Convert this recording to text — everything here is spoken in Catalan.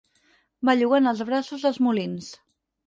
Bellugant els braços dels molins.